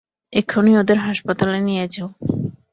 এক্ষুনি ওদের হাসপাতালে নিয়ে যাও।